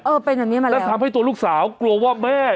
เป็นอย่างนี้มาแล้วแล้วทำให้ตัวลูกสาวกลัวว่าแม่